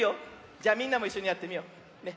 じゃみんなもいっしょにやってみよう。ね。